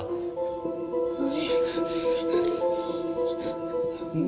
เฮ้ย